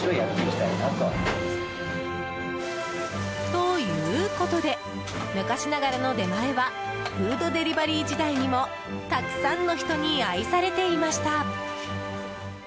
ということで昔ながらの出前はフードデリバリー時代にもたくさんの人に愛されていました。